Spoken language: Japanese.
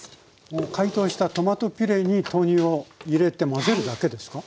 もう解凍したトマトピュレに豆乳を入れて混ぜるだけですか？